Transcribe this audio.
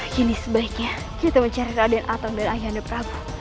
kini sebaiknya kita mencari raden atang dan ayanda prabu